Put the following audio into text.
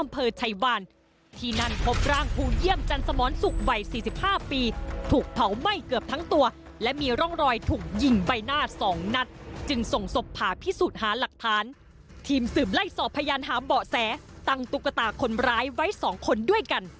พยานหาเบาะแสตั้งตุ๊กตาคนร้ายไว้สองคนด้วยกัน